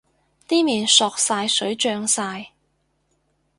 啲麵索晒水脹晒